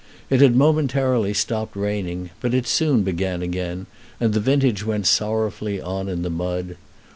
It had momentarily stopped raining; but it soon began again, and the vintage went sorrowfully on in the mud.